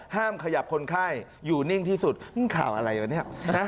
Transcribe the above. ขยับคนไข้อยู่นิ่งที่สุดข่าวอะไรวะเนี่ย